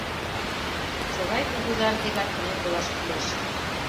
Чорай кугызаж декат миен толаш кӱлеш.